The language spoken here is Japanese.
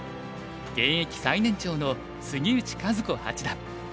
現役最年長の杉内寿子八段。